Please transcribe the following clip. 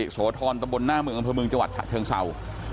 โสธรณ์ตะบนหน้าเมืองอันตรายเมืองจังหวัดเชิงเศร้า